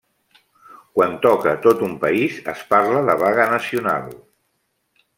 Quan toca tot un país es parla de vaga nacional.